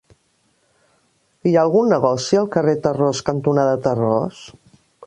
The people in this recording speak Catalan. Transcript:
Hi ha algun negoci al carrer Tarròs cantonada Tarròs?